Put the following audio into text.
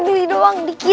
kali doang di caa